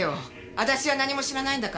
私は何も知らないんだから。